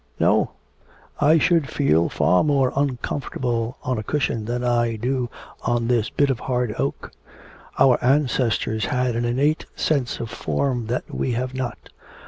'No, I should feel far more uncomfortable on a cushion than I do on this bit of hard oak. Our ancestors had an innate sense of form that we have not.